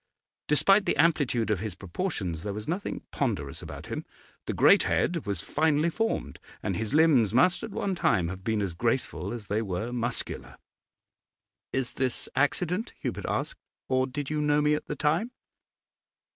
Despite the amplitude of his proportions, there was nothing ponderous about him; the great head was finely formed, and his limbs must at one time have been as graceful as they were muscular. 'Is this accident,' Hubert asked; 'or did you know me at the time?